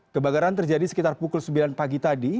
kebakaran terjadi sekitar pukul sembilan pagi tadi